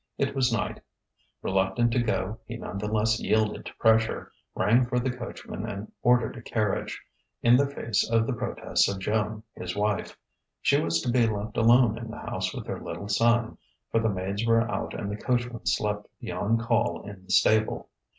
It was night; reluctant to go, he none the less yielded to pressure, rang for the coachman and ordered a carriage, in the face of the protests of Joan, his wife. She was to be left alone in the house with their little son; for the maids were out and the coachman slept beyond call in the stable.